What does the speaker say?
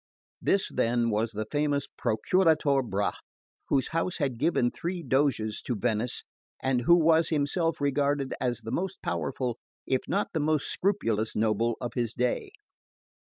This, then, was the famous Procuratore Bra, whose house had given three Doges to Venice, and who was himself regarded as the most powerful if not the most scrupulous noble of his day.